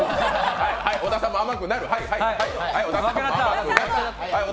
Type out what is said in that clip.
小田さんも甘くなる！